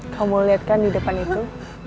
kamu mau lihat kan di depan itu